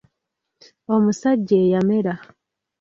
Omusajja eyamera.